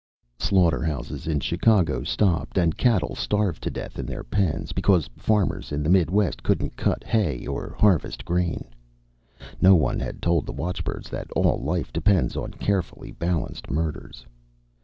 Slaughterhouses in Chicago stopped and cattle starved to death in their pens, because farmers in the Midwest couldn't cut hay or harvest grain. No one had told the watchbirds that all life depends on carefully balanced murders.